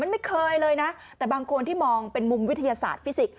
ไม่เคยเลยนะแต่บางคนที่มองเป็นมุมวิทยาศาสตร์ฟิสิกส